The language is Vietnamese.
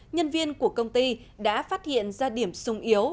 nhân viên của công ty đã phát hiện ra điểm sung yếu